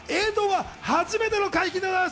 映像は初めての解禁です。